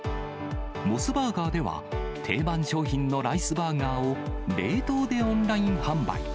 モスバーガーでは、定番商品のライスバーガーを冷凍でオンライン販売。